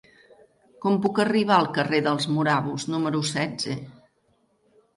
Com puc arribar al carrer dels Morabos número setze?